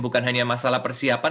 bukan hanya masalah persiapan